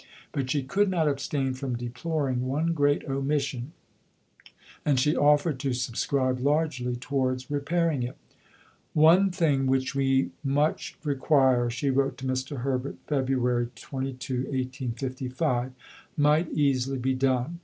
But she could not abstain from deploring one great omission, and she offered to subscribe largely towards repairing it: "One thing which we much require," she wrote to Mr. Herbert (Feb. 22, 1855), "might easily be done.